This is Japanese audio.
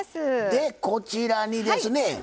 でこちらにですねはい。